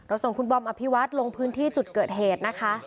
ส่งคุณบอมอภิวัตรลงพื้นที่จุดเกิดเหตุนะคะ